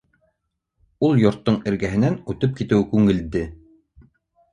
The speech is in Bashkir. Ул йорттоң эргәһенән үтеп китеүе күңелде!